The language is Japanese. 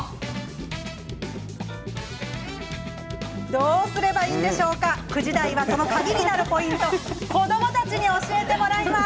どうすればいいのか９時台は、その鍵になるポイント子どもたちに教えてもらいます。